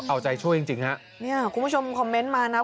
เอาใจช่วยจริงนี่คุณผู้ชมคอมเมนต์มานะ